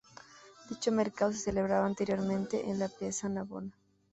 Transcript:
Dicho mercado se celebraba anteriormente en la Piazza Navona.